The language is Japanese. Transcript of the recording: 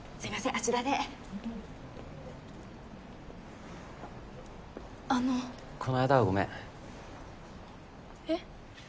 あちらであのこの間はごめんえっ？